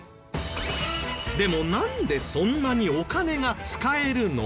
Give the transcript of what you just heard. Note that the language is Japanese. でもなんでそんなにお金が使えるの？